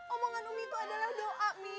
omongan umi itu adalah doa